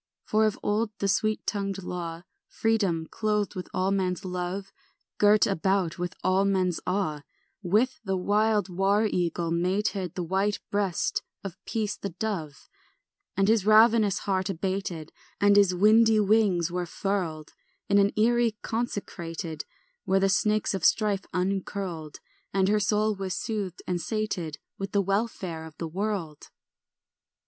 For of old the sweet tongued law, Freedom, clothed with all men's love, Girt about with all men's awe, With the wild war eagle mated The white breast of peace the dove, And his ravenous heart abated And his windy wings were furled In an eyrie consecrated Where the snakes of strife uncurled, And her soul was soothed and sated With the welfare of the world.